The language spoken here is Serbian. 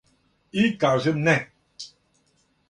И кажем не.